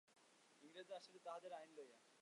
ইংরেজরা আসিল তাহাদের আইন লইয়া।